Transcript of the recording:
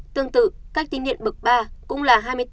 tương tự cách tính điện bậc ba cũng là